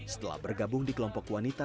setelah bergabung di kelompok wanita